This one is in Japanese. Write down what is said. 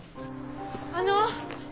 あの！